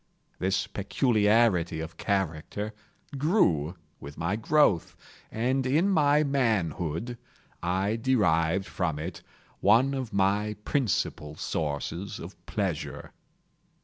This peculiarity of character grew with my growth, and in my manhood, I derived from it one of my principal sources of pleasure.